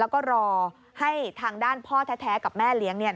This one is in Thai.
แล้วก็รอให้ทางด้านพ่อแท้กับแม่เลี้ยงเนี่ย